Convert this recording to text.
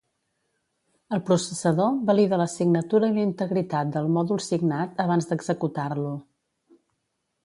El processador valida la signatura i la integritat del mòdul signat abans d'executar-lo.